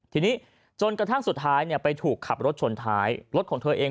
ทีนี้จนกระทั่งสุดท้ายไปถูกขับรถชนท้ายรถของเธอเอง